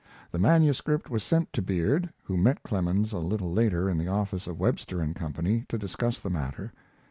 The manuscript was sent to Beard, who met Clemens a little later in the office of Webster & Co. to discuss the matter.